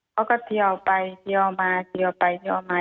เขาก็เทียวไปเทียวออกมาเทียวออกไปเทียวออกมา